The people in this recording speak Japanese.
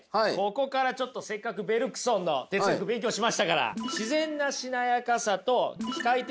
ここからちょっとせっかくベルクソンの哲学勉強しましたから。